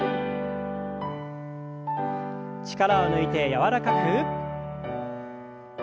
力を抜いて柔らかく。